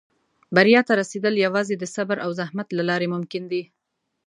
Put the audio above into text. • بریا ته رسېدل یوازې د صبر او زحمت له لارې ممکن دي.